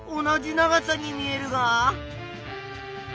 同じ長さに見えるが。